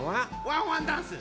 「ワンワン☆ダンス」。